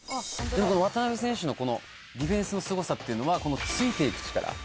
渡邊選手のディフェンスのすごさっていうのはこのついていく力。